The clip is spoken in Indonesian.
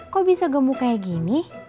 kok bisa gemuk kayak gini